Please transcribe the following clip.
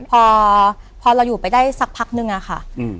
พอพอเราอยู่ไปได้สักพักหนึ่งอ่ะค่ะอืม